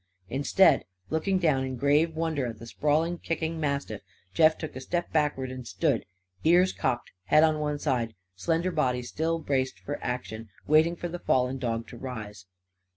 Instead, looking down in grave wonder at the sprawling and kicking mastiff, Jeff took a step backward and stood, ears cocked, head on one side, slender body still braced for action, waiting for the fallen dog to rise.